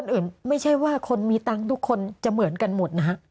อื่นไม่ใช่ว่าคนมีตังค์ทุกคนจะเหมือนกันหมดนะฮะ